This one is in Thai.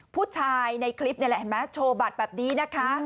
ผู้ชายในคลิปเนี่ยแหละโชว์บัตรแบบนี้นะคะ